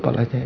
bukan hal itu